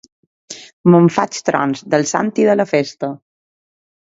Me'n faig trons del sant i de la festa!